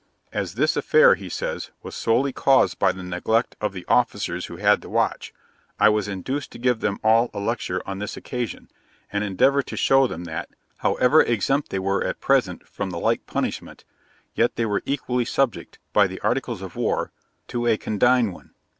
'As this affair,' he says, 'was solely caused by the neglect of the officers who had the watch, I was induced to give them all a lecture on this occasion, and endeavour to show them that, however exempt they were at present from the like punishment, yet they were equally subject, by the articles of war, to a condign one.'